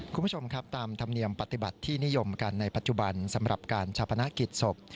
คุณผู้ชมครับตามธรรมเนียมปฏิบัติที่นิยมกันในปัจจุบันสำหรับการชาปนกิจศพ